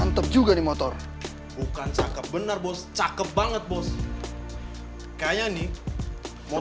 untuk untuk menyembunyikan egg'mu